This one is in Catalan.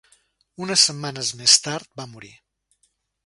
Unes setmanes més tard, va morir.